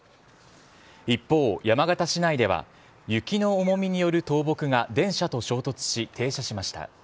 一方、山形市内では、雪の重みによる倒木が電車と衝突し、停車しました。